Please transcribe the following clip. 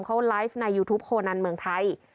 เขาไลฟ์ในยูทูปโคนันเมืองไทย